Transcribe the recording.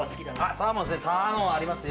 サーモンありますよ。